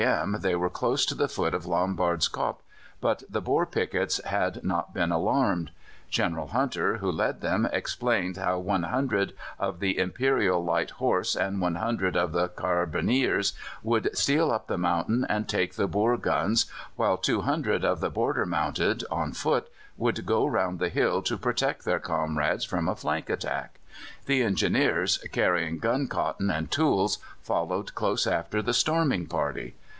m. they were close to the foot of Lombard's Kop, but the Boer pickets had not been alarmed. General Hunter, who led them, explained how 100 of the Imperial Light Horse and 100 of the Carbineers would steal up the mountain and take the Boer guns, while 200 of the Border Mounted (on foot) would go round the hill to protect their comrades from a flank attack. The Engineers, carrying gun cotton and tools, followed close after the storming party.